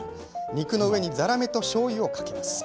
肉の上にざらめとしょうゆをかけます。